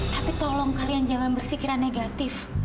tapi tolong kalian jangan berpikiran negatif